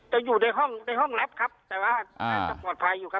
จะอยู่ในห้องแล็ปครับแต่ว่าปลอดภัยอยู่ครับ